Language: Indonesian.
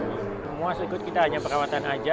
dan kemuan setikut kita hanya perawatan aja